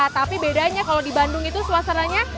tapi bedanya kalau di bandung itu suasananya